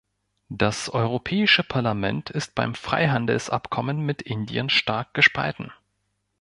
Das Europäische Parlament ist beim Freihandelsabkommen mit Indien stark gespalten.